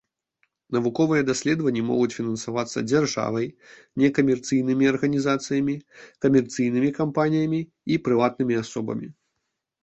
Навуковыя даследаванні могуць фінансавацца дзяржавай, некамерцыйнымі арганізацыямі, камерцыйнымі кампаніямі і прыватнымі асобамі.